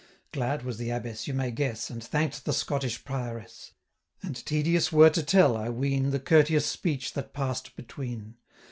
Glad was the Abbess, you may guess, And thank'd the Scottish Prioress; And tedious were to tell, I ween, 850 The courteous speech that pass'd between.